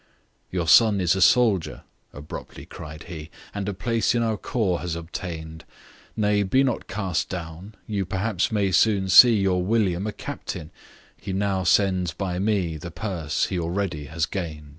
"Your son is a soldier," abruptly cried he, "And a place in our corps has obtain'd, Nay, be not cast down; you perhaps may soon see Your William a captain, he now sends by me The purse he already has gain'd."